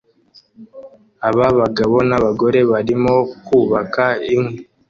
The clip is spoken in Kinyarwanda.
Aba bagabo n'abagore barimo kubaka inkwi